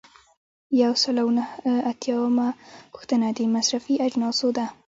یو سل او نهه اتیایمه پوښتنه د مصرفي اجناسو ده.